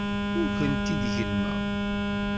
Ur kent-id-gellmeɣ.